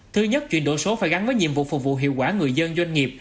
thứ nhất chuyển đổi số phải gắn với nhiệm vụ phục vụ hiệu quả người dân doanh nghiệp